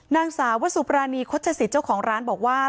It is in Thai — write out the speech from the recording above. นางสาวสุปรณีคชสิตเจ้าของร้านบอกว่า